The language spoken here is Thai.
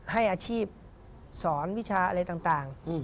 ให้อาชีพสอนวิชาอะไรต่าง